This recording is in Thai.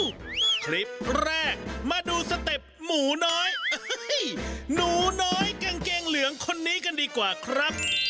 คลิปแรกมาดูสเต็ปหมูน้อยหนูน้อยกางเกงเหลืองคนนี้กันดีกว่าครับ